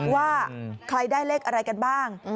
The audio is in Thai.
ว่าใครได้เลขอะไรกันบ้าง